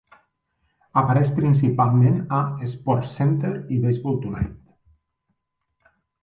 Apareix principalment a "SportsCenter" i "Baseball Tonight".